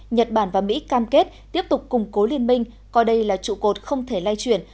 nhật bản và mỹ cam kết tiếp tục củng cố liên minh coi đây là trụ cột không thể lai chuyển